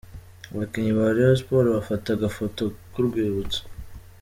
Abaakinnyi ba Rayon Sports bafata agafoto k'urwibutso.